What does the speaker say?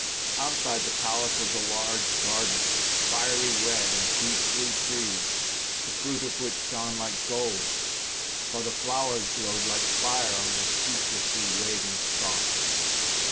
Outside the palace was a large garden, with fiery red and deep blue trees, the fruit of which shone like gold, while the flowers glowed like fire on their ceaselessly waving stalks.